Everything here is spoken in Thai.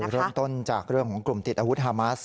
เริ่มต้นจากเรื่องของกลุ่มติดอาวุธฮามัส